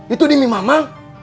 itu demi mama